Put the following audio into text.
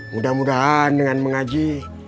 mudah mudahan dengan mengaji